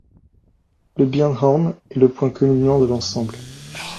Le Birnhorn est le point culminant de l'ensemble.